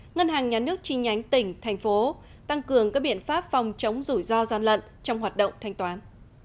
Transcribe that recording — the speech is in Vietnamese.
ngân hàng nhà nước chi nhánh tỉnh thành phố tăng cường các biện pháp phòng chống rủi ro gian lận trong hoạt động thanh toán